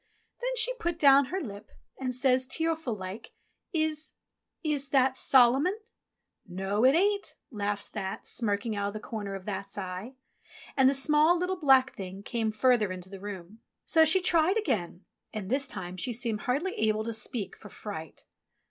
Then she put down her lip, and says, tearful like, "Is — is — That — Solomon ?" "No, it ain't," laughs That, smirking out of the corner of That's eye. And the small, little, black Thing came further into the room. So she tried again — and this time she seemed hardly able to speak for fright.